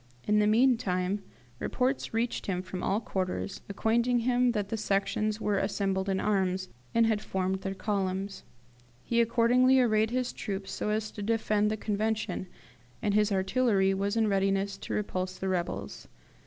In the meantime reports reached him from all quarters acquainting him that the Sections were assembled in arms, and had formed their columns. He accordingly arrayed his troops so as to defend the Convention, and his artillery was in readiness to repulse the rebels.